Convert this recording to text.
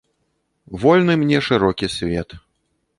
Вольны мне шырокі свет.